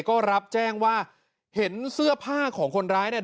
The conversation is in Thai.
ก็รับแจ้งว่าเห็นเสื้อผ้าของคนร้ายเนี่ย